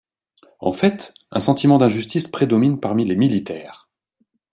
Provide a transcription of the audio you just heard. En fait, un sentiment d’injustice prédomine parmi les militaires.